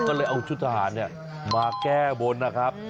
ก็เลยเอาชุดท่าศาสตร์เนี่ยมาแก้บนนะครับ